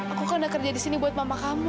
aku kan udah kerja disini buat mama kamu